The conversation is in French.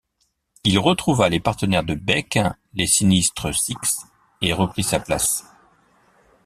Il retrouva les partenaires de Beck, les Sinistres Six et reprit sa place.